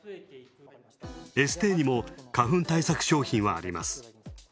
エステーにも花粉症対策商品はあります。